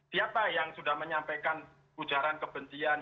siapa yang sudah menyampaikan ujaran kebencian